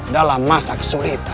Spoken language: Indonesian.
dalam masa kesulitan